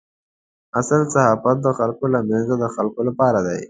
اصل صحافت د خلکو له منځه د خلکو لپاره دی.